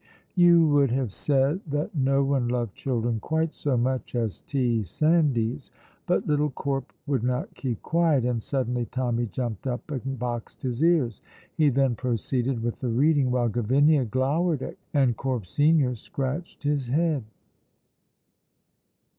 You would have said that no one loved children quite so much as T. Sandys. But little Corp would not keep quiet, and suddenly Tommy jumped up and boxed his ears. He then proceeded with the reading, while Gavinia glowered and Corp senior scratched his head.